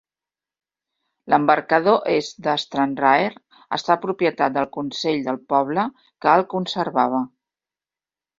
L'embarcador est de Stranraer esta propietat del consell del poble, que el conservava.